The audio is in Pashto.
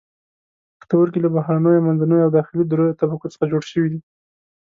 پښتورګي له بهرنیو، منځنیو او داخلي دریو طبقو څخه جوړ شوي دي.